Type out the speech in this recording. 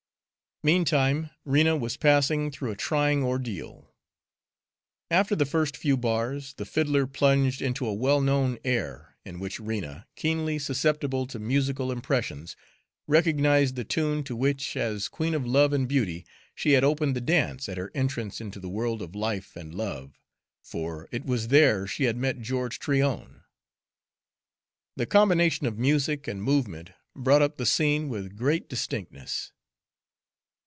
Meantime Rena was passing through a trying ordeal. After the first few bars, the fiddler plunged into a well known air, in which Rena, keenly susceptible to musical impressions, recognized the tune to which, as Queen of Love and Beauty, she had opened the dance at her entrance into the world of life and love, for it was there she had met George Tryon. The combination of music and movement brought up the scene with great distinctness.